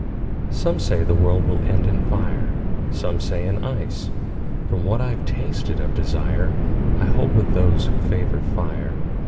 SOME say the world will end in fire, Some say in ice. From what I've tasted of desireI hold with those who favor fire.